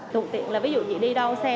thuận tiện là ví dụ như đi đau xe